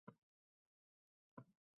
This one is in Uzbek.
Bir o'ylab ko'raylik...